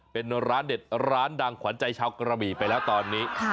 เป็นร้านเด็ดร้านดังขวัญใจชาวกระบี่ไปแล้วตอนนี้